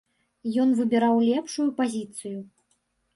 Ён выбіраў лепшую пазіцыю.